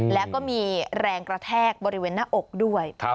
แล้วก็มีแรงกระแทกบริเวณหน้าอกด้วย